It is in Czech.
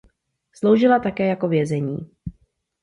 Sloužila také jako vězení.